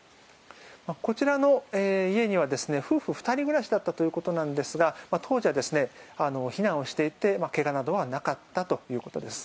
こちらの家には夫婦２人暮らしだったということですが当時は避難をしていて怪我などはなかったということです。